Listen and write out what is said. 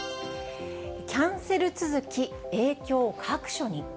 キャンセル続き、影響各所に。